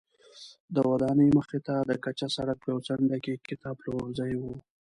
د ودانۍ مخې ته د کچه سړک په یوه څنډه کې کتابپلورځی و.